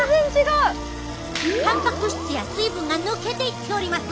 たんぱく質や水分が抜けていっております！